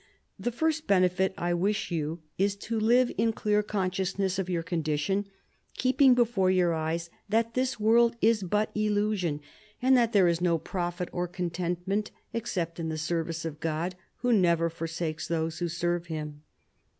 " The first benefit I wish you is to live in clear con sciousness of your condition, keeping before your eyes that this world is but illusion, and that there is no profit or contentment except in the service of God, who never for sakes them who serve Him.